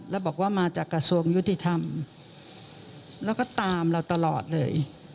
แล้วบอกว่ามาจากกระทรวงยุติธรรมแล้วก็ตามเราตลอดเลย